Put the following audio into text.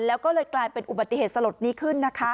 แล้วก็เลยกลายเป็นอุบัติเหตุสลดนี้ขึ้นนะคะ